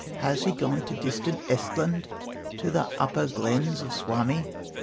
Has he gone to distant Ehstland, To the upper glens of Suomi?